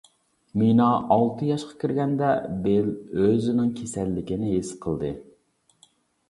مىنا ئالتە ياشقا كىرگەندە بىل ئۆزىنىڭ كېسەللىكىنى ھېس قىلدى.